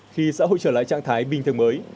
khi xã hội trở lại trạng thái bình thường mới